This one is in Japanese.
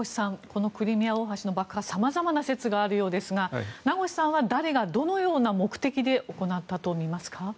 このクリミア大橋の爆破さまざまな説があるようですが名越さんは誰が、どのような目的で行ったとみますか？